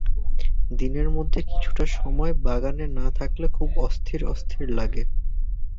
দিনের মধ্যে কিছুটা সময় বাগানে না থাকলে খুব অস্থির-অস্থির লাগে।